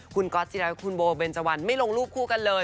คุณก๊อตจิระคุณโบเบนเจวันไม่ลงรูปคู่กันเลย